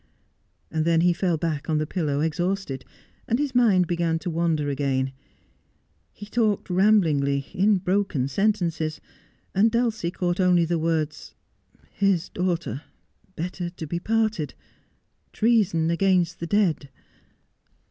And then he fell back on the pillow exhausted, and his mind be°un to wander again. He talked ramblingly — in broken sen tences — and Dulcie caught only the words ' his daughter — better to be parted — treason against the dead.'